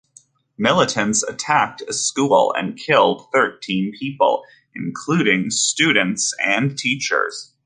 Militants attacked a school and killed thirteen people, including students and teachers.